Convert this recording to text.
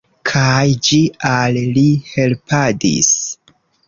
Kaj ĝi al li helpadis.